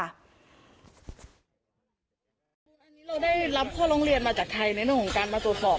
อันนี้เราได้รับข้อโรงเรียนมาจากใครในงานของการมาตรวจสอบ